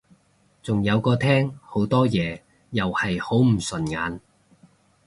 仲有個廳好多嘢又係好唔順眼